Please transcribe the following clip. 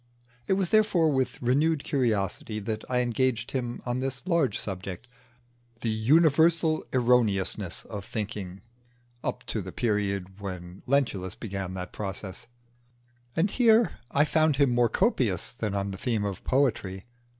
It was therefore with renewed curiosity that I engaged him on this large subject the universal erroneousness of thinking up to the period when Lentulus began that process. And here I found him more copious than on the theme of poetry.